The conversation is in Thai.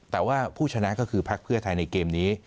แต่ว่าผู้ชนะก็คือพักเพื่อไทยในเกมนี้